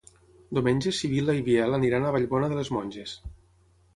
Diumenge na Sibil·la i en Biel aniran a Vallbona de les Monges.